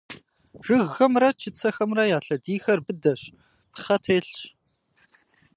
Жыгхэмрэ чыцэхэмрэ я лъэдийхэр быдэщ, пхъэ телъщ.